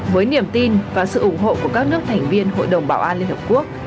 với niềm tin và sự ủng hộ của các nước thành viên hội đồng bảo an liên hợp quốc